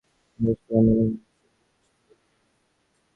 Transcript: দেশকে যদি বন্দনা করি তবে দেশের সর্বনাশ করা হবে।